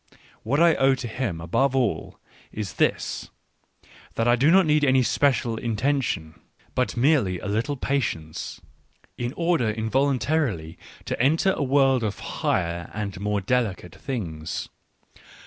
What I owe to him above all is this, that I do not need any special intention, but Digitized by Google 1 6 ECCE HOMO merely a little patience, in order involuntarily to enter a world of higher and more delicate things.